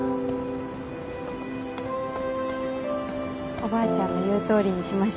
おばあちゃんの言うとおりにしましたね。